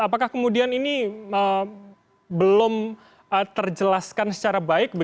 apakah kemudian ini belum terjelaskan secara baik